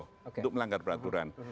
untuk melanggar peraturan